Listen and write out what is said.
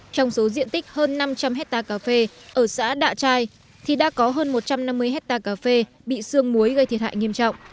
trong số diện tích hơn năm trăm linh hectare cà phê ở xã đạ trai thì đã có hơn một trăm năm mươi hectare cà phê bị sương muối gây thiệt hại nghiêm trọng